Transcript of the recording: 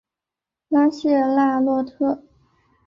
拉谢纳洛特。